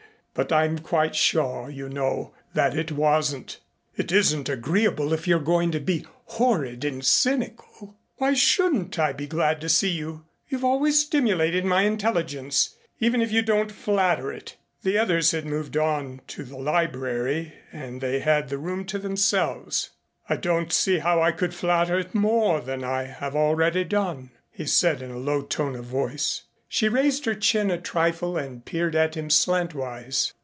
But I'm quite sure, you know, that it wasn't." "It isn't agreeable if you're going to be horrid and cynical. Why shouldn't I be glad to see you? You always stimulate my intelligence even if you don't flatter it." The others had moved on to the library and they had the room to themselves. "I don't see how I could flatter it more than I have already done," he said in a low tone of voice. She raised her chin a trifle and peered at him slantwise.